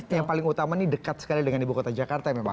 yang paling utama ini dekat sekali dengan ibu kota jakarta memang